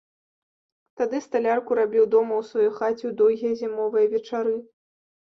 Тады сталярку рабіў дома ў сваёй хаце ў доўгія зімовыя вечары.